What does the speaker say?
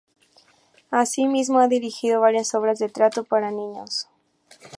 Asimismo, ha dirigido varias obras de teatro para niños.